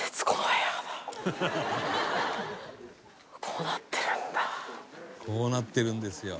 「こうなってるんですよ」